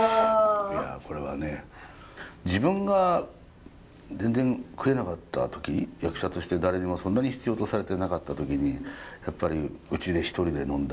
これはね自分が全然食えなかった時役者として誰にもそんなに必要とされてなかった時にやっぱりうちで１人で呑んだ